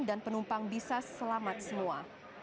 dan penumpang bisa selamat semua